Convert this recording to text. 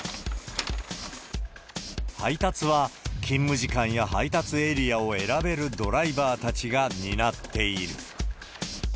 配達は、勤務時間や配達エリアを選べるドライバーたちが担っている。